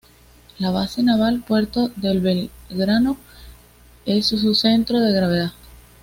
La Base Naval Puerto Belgrano es su centro de gravedad.